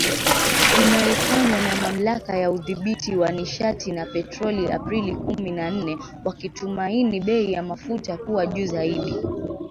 Inayofanywa na Mamlaka ya Udhibiti wa Nishati na Petroli Aprili kumi na nne, wakitumaini bei ya mafuta kuwa juu zaidi